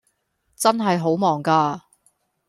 真係好忙架